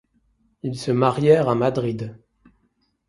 Ils se marièrent à Madrid.